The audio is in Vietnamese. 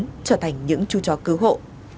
và trở thành những chú chó cứu hộ